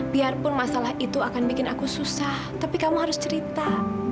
biarpun masalah itu akan bikin aku susah tapi kamu harus cerita